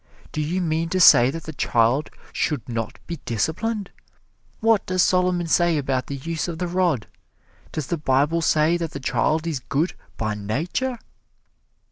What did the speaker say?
Do you mean to say that the child should not be disciplined? What does Solomon say about the use of the rod? Does the Bible say that the child is good by nature?"